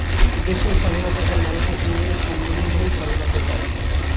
দেশেও স্বাধীনতা চাই, মানুষের সঙ্গে সম্বন্ধেও স্বাধীনতা চাই।